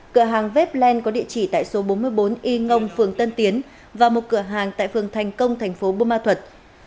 cửa hàng webland có địa chỉ tại số bốn mươi bốn y ngông phương tân tiến và một cửa hàng tại phương thành công tp bơ ma thuật